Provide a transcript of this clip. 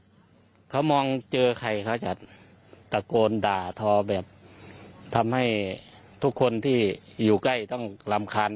เขามองเจอใครเขาจะตะโกนด่าทอแบบทำให้ทุกคนที่อยู่ใกล้ต้องรำคาญ